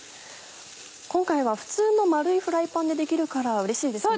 今回は普通の丸いフライパンでできるからうれしいですね。